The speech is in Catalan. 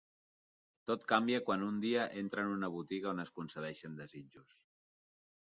Tot canvia quan un dia entra en una botiga on es concedeixen desitjos.